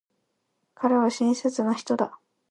彼は親切な人だ。